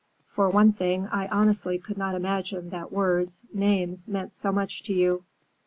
For one thing, I honestly could not imagine that words, names, meant so much to you."